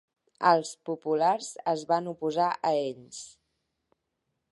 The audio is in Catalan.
Els populars es van oposar a ells.